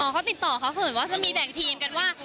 เขาติดต่อเขาเหมือนว่าจะมีแบ่งทีมกันว่า